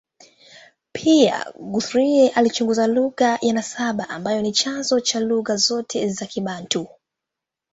Pia, Guthrie alichunguza lugha ya nasaba ambayo ni chanzo cha lugha zote za Kibantu.